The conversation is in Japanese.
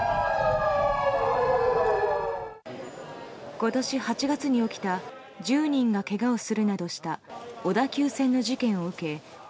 今年８月に起きた１０人がけがをするなどした小田急線の事件を受け